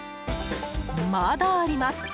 まだあります！